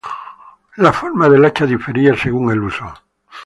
La forma del hacha difería según el uso.